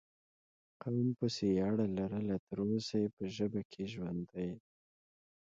قوم پسې یې اړه لرله، تر اوسه یې په ژبه کې ژوندی